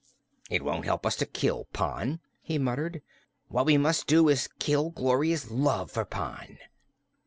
"It won't help us to kill Pon," he muttered. "What we must do is kill Gloria's love for Pon."